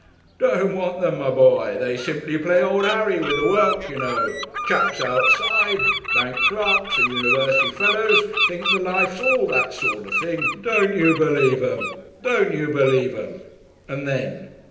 "Don't want them, my boy; they'd simply play old Harry with the work, you know! Chaps outside, bank clerks and university fellows, think the life's all that sort of thing. Don't you believe 'em. Don't you believe 'em." And then